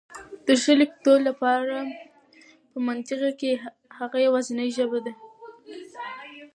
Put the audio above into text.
د ښه لیکدود لپاره په منطقه کي هغه يواځنۍ ژبه ده